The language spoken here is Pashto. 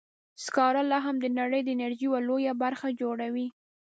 سکاره لا هم د نړۍ د انرژۍ یوه لویه برخه جوړوي.